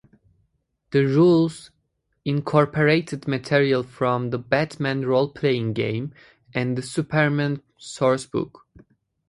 The rules incorporated material from the "Batman Role-Playing Game" and the "Superman Sourcebook".